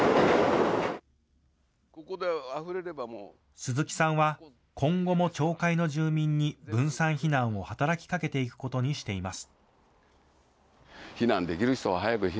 鈴木さんは、今後も町会の住民に分散避難を働きかけていくことにしています。